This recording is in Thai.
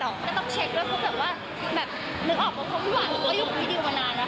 ก็ต้องเช็คด้วยเพราะแบบว่าแบบนึกออกว่าเพราะพี่หวานหนูก็อยู่กับพี่ดิวมานานแล้ว